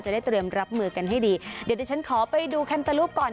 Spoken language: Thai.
จะได้เตรียมรับมือกันให้ดีเดี๋ยวเดี๋ยวฉันขอไปดูแคมป์ตะลูกก่อน